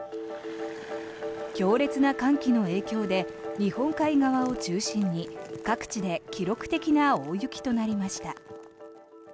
強烈な寒気の影響で日本海側を中心に各地で記録的な大雪となりました。